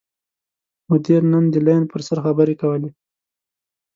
مدیر نن د لین پر سر خبرې کولې.